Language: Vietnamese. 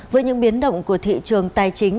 với những biến động của thị trường tài chính